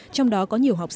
trong đó có nhiều hoạt động